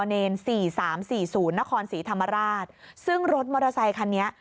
มศรีธรรมราชซึ่งรถมอเตอร์ไซคันนี้